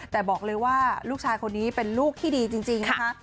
แต่บอกเลยว่าลูกชายคนนี้เป็นลูกที่ดีจริงนะคะ